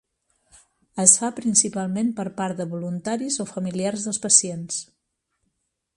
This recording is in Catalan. Es fa principalment per part de voluntaris o familiars dels pacients.